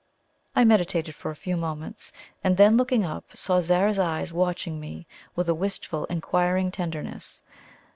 I meditated for a few moments, and then looking up, saw Zara's eyes watching me with a wistful inquiring tenderness.